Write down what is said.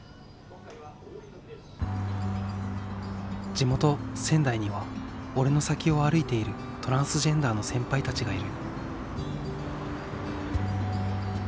地元仙台には俺の先を歩いているトランスジェンダーの先輩たちがいる。